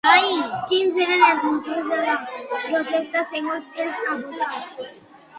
Quins eren els motius de la protesta, segons els advocats?